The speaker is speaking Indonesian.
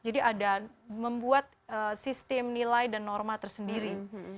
jadi ada membuat sistem nilai dan norma tersendiri